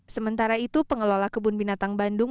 sementara itu pengelola kebun binatang bandung